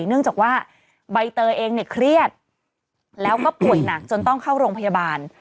เนื่องจากว่าใบเตยเองเนี่ยเครียดแล้วก็ป่วยหนักจนต้องเข้าโรงพยาบาล